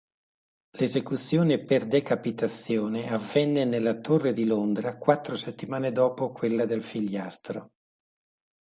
L'esecuzione per decapitazione avvenne nella Torre di Londra quattro settimane dopo quella del figliastro.